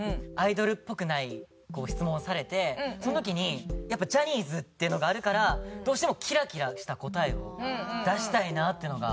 その時にやっぱジャニーズっていうのがあるからどうしてもキラキラした答えを出したいなっていうのが。